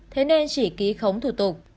thế nên chỉ ký khống thủ tục